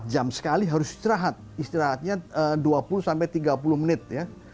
empat jam sekali harus istirahat istirahatnya dua puluh sampai tiga puluh menit ya